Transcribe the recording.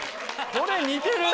これ似てる！